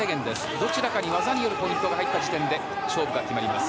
どちらかに技によるポイントが入った時点で勝負が決まります。